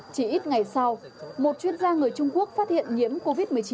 chỉ ít ngày sau một chuyên gia người trung quốc phát hiện nhiễm covid một mươi chín